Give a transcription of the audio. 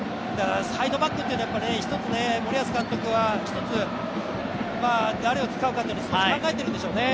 サイドバックというのは一つ森保監督は誰を使うかというのは少し考えているんでしょうね